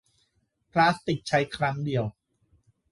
พลาสติกใช้ครั้งเดียว